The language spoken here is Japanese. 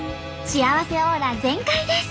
幸せオーラ全開です。